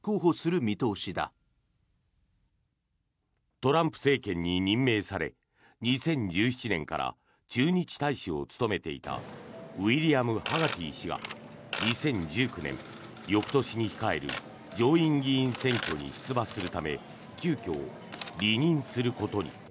トランプ政権に任命され２０１７年から駐日大使を務めていたウィリアム・ハガティ氏が２０１９年、翌年に控える上院議員選挙に出馬するため急きょ、離任することに。